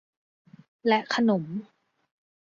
และขนม